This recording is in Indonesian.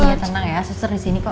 iya tenang ya suster disini kok